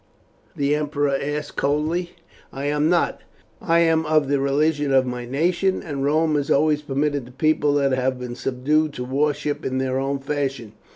the emperor asked coldly. "I am not. I am of the religion of my nation, and Rome has always permitted the people that have been subdued to worship in their own fashion.